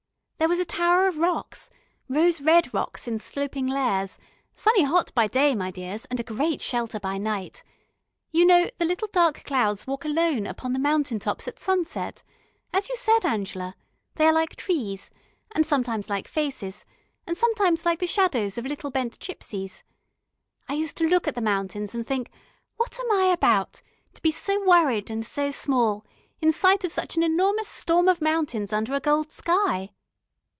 There was a tower of rocks rose red rocks in sloping layers sunny hot by day, my dears, and a great shelter by night. You know, the little dark clouds walk alone upon the mountain tops at sunset as you said, Angela they are like trees, and sometimes like faces, and sometimes like the shadows of little bent gipsies.... I used to look at the mountains and think: 'What am I about, to be so worried and so small, in sight of such an enormous storm of mountains under a gold sky?'